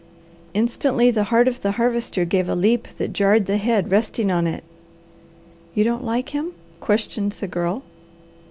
Instantly the heart of the Harvester gave a leap that jarred the head resting on it. "You don't like him?" questioned the Girl.